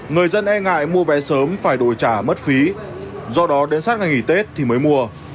người dân e ngại mua vé sớm phải đổi trả mất phí do đó đến sát ngày nghỉ tết thì mới mua